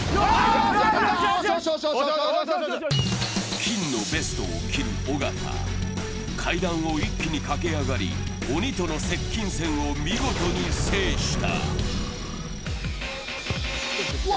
金のベストを着る尾形、階段を一気に駆け上がり、鬼との接近戦を見事に制した。